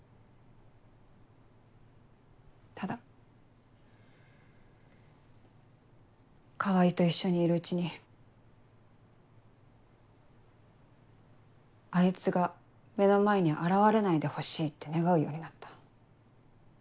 ただ川合と一緒にいるうちにあいつが目の前に現れないでほしいって願うようになった。